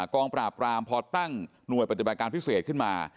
กองปราบรามพอตั้งหน่วยปฏิบัติการพิเศษขึ้นมา